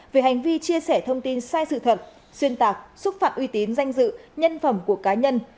về hành vi chia sẻ thông tin sai sự thật xuyên tạc xúc phạm uy tín danh dự nhân phẩm của cá nhân